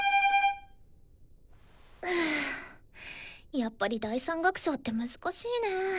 やっぱり第３楽章って難しいね。